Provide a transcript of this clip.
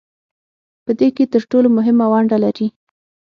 په دې کې تر ټولو مهمه ونډه لري